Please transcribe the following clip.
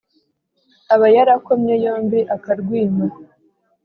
Aba yarakomye yombi ukarwima.